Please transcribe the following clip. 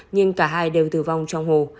nhưng cả hai đều tử vong trong hồ